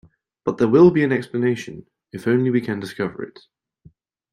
But there will be an explanation — if only we can discover it.